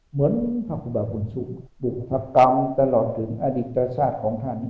เหมือนพระคุบาคุณสุบุคคัมตลอดถึงอดิตรชาติของท่าน